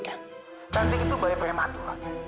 cantik itu baik baik matulah